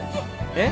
えっ？